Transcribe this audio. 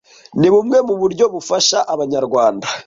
ni bumwe mu buryo bufasha Abanyarwanda